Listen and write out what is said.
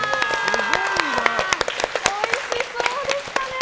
おいしそうでしたね。